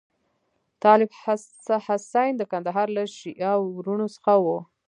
طالب حسین د کندهار له شیعه وروڼو څخه وو.